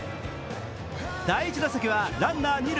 第１打席はランナー、二塁。